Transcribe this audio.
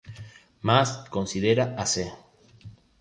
Maas considera a "C".